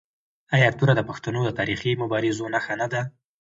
آیا توره د پښتنو د تاریخي مبارزو نښه نه ده؟